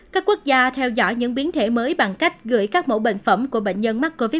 các quốc gia theo dõi những biến thể mới bằng cách gửi các mẫu bệnh phẩm của bệnh nhân mắc covid một mươi chín